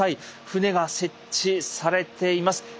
船が設置されています。